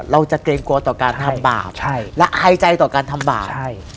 เกรงกลัวต่อการทำบาปและอายใจต่อการทำบาปใช่